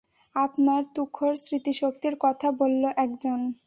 আপনার তুখোড় স্মৃতিশক্তির কথা বলল একজন।